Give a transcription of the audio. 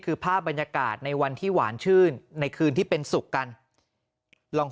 คือภาพบรรยากาศในวันที่หวานชื่นในคืนที่เป็นสุขกันลอง